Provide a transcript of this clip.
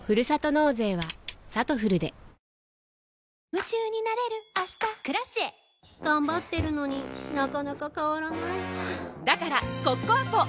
夢中になれる明日「Ｋｒａｃｉｅ」頑張ってるのになかなか変わらないはぁだからコッコアポ！